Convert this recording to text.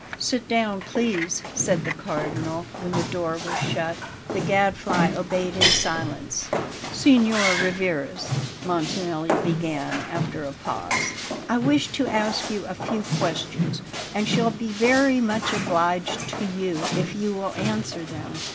"Sit down, please," said the Cardinal, when the door was shut. The Gadfly obeyed in silence. "Signor Rivarez," Montanelli began after a pause, "I wish to ask you a few questions, and shall be very much obliged to you if you will answer them."